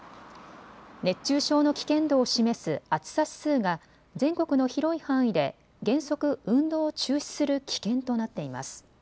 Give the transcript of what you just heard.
熱中症の危険度を示す暑さ指数が全国の広い範囲で原則、運動を中止する危険となっています。